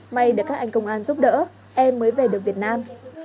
may được các anh công an giúp đỡ em mới về được việt nam